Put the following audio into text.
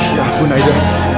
ya ampun aida